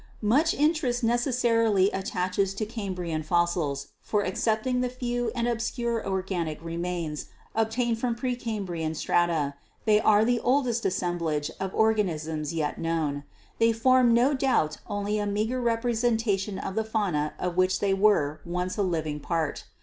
Much interest necessarily attaches to Cambrian fossils, for excepting the few and obscure organic remains ob tained from pre Cambrian strata, they are the oldest as semblage of organisms yet known. They form no doubt only a meager representation of the fauna of which they were once a living part.